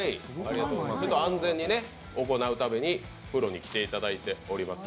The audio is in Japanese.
安全に行うためにプロに来ていただいております。